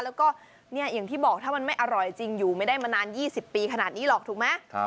แล้วก็อย่างที่บอกถ้ามันไม่อร่อยจริงอยู่ไม่ได้มานาน๒๐ปีขนาดนี้หรอกถูกไหม